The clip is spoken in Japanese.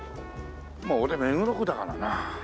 まあ俺目黒区だからな。